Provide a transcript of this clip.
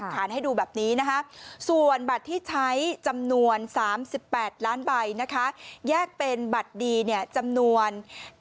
ฐานให้ดูแบบนี้นะคะส่วนบัตรที่ใช้จำนวน๓๘ล้านใบนะคะแยกเป็นบัตรดีจำนวน